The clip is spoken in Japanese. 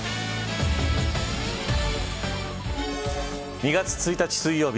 ２月１日水曜日